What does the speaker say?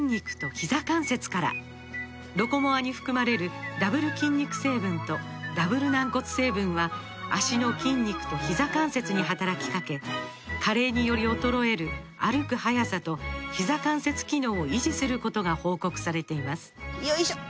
「ロコモア」に含まれるダブル筋肉成分とダブル軟骨成分は脚の筋肉とひざ関節に働きかけ加齢により衰える歩く速さとひざ関節機能を維持することが報告されていますよいしょっ！